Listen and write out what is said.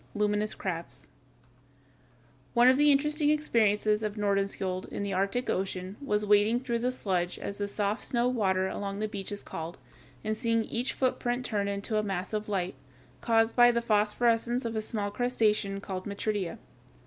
LUMINOUS CRABS One of the interesting experiences of Nordenskiöld in the Arctic Ocean was wading through the sludge, as the soft snow water along the beach is called, and seeing each footprint turn into a mass of light, caused by the phosphorescence of a small crustacean called Metridia.